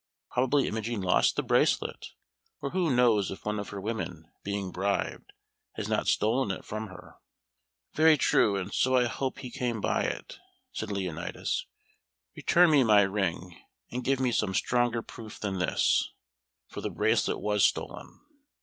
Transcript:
Probably Imogen lost the bracelet; or who knows if one of her women, being bribed, has not stolen it from her?" "Very true, and so I hope he came by it," said Leonatus. "Return me my ring, and give me some stronger proof than this, for the bracelet was stolen."